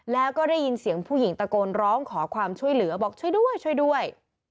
แล้วก็ได้ยินเสียงผู้หญิงตะโกนร้องขอความช่วยเหลือบอกช่วยด้วยช่วยด้วย